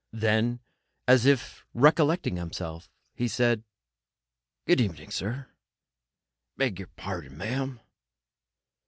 Then, as if recollecting himself, he said: "Gude evenin', sir; beg pardon, M'm."